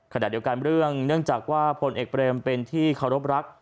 ขณะเดียวกันเรื่องเนื่องจากว่าผลเอกเบรมเป็นที่เคารพรัก